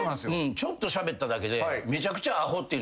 ちょっとしゃべっただけで。